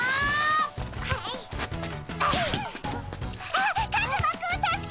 あっカズマくん助けて！